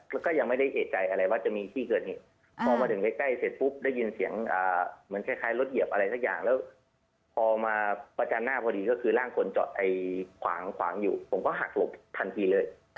แล้วก็ยังไม่ได้เอกใจอะไรว่าจะมีที่เกิดเหตุพอมาถึงใกล้เสร็จปุ๊บได้ยินเสียงเหมือนคล้ายรถเหยียบอะไรสักอย่างแล้วพอมาประจันหน้าพอดีก็คือร่างคนจอดขวางขวางอยู่ผมก็หักหลบทันทีเลย